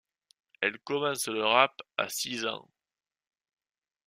Elle commence le rap à six ans.